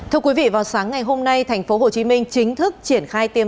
thưa quý vị vào sáng ngày hôm nay thành phố hồ chí minh chính thức triển khai tiêm